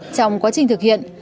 trong quá trình thực hiện